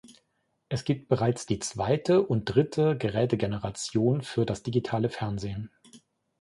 Es gibt bereits die zweite und dritte Gerätegeneration für das digitale Fernsehen.